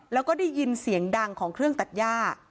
แล้วก็ได้ยินเสียงดังของเครื่องตัดย่า